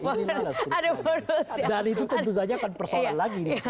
itu tentu saja akan persoalan lagi